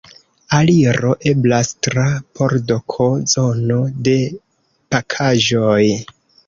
Aliro eblas tra pordo K, zono de pakaĵoj.